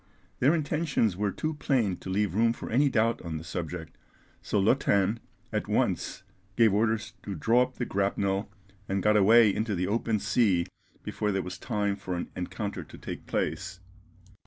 Their intentions were too plain to leave room for any doubt on the subject, so Lottin at once gave orders to draw up the grapnel, and got away into the open sea before there was time for an encounter to take place.